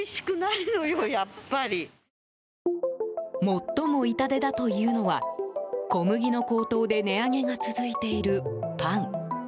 最も痛手だというのは小麦の高騰で値上げが続いているパン。